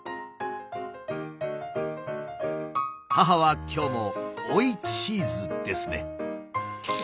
母は今日も「おいチーズ」ですね。